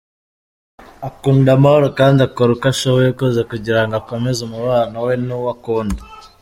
Akunda amahoro kandi akora uko ashoboye kose kugira ngo akomeze umubano we nuwo akunda.